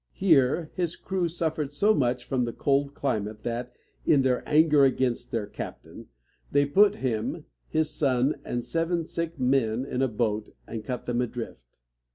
Here his crew suffered so much from the cold climate that, in their anger against their captain, they put him, his son, and seven sick men in a boat, and cut them adrift.